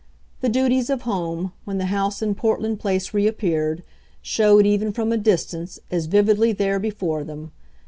The duties of home, when the house in Portland Place reappeared, showed, even from a distance, as vividly there before them.